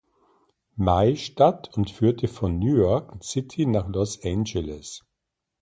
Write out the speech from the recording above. Mai statt und führte von New York City nach Los Angeles.